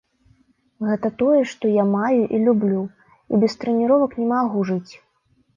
Гэта тое, што я маю і люблю, і без трэніровак не магу жыць!